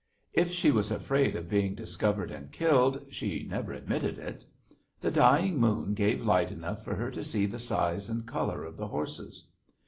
If she was afraid of being discovered and killed, she never admitted it. The dying moon gave light enough for her to see the size and color of the horses.